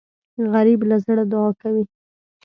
غریب له زړه دعا کوي